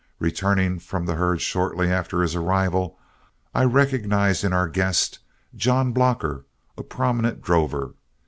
Returning from the herd shortly after his arrival, I recognized in our guest John Blocker, a prominent drover.